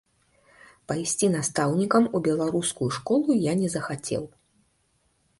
Пайсці настаўнікам у беларускую школу я не захацеў.